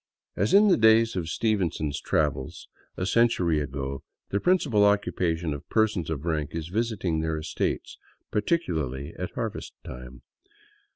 As in the days of Stevenson's travels, a century ago, " the principal occupation of persons of rank is visiting their estates, particularly at harvest time."